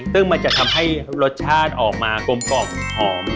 ซึ่งมันจะทำให้รสชาติออกมากลมกล่อมหอม